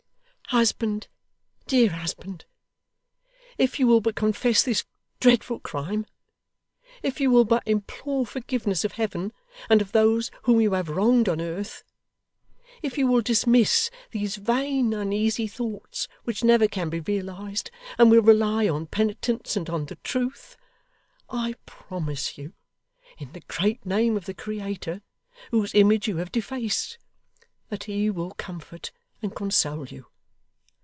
Husband, dear husband, if you will but confess this dreadful crime; if you will but implore forgiveness of Heaven and of those whom you have wronged on earth; if you will dismiss these vain uneasy thoughts, which never can be realised, and will rely on Penitence and on the Truth, I promise you, in the great name of the Creator, whose image you have defaced, that He will comfort and console you.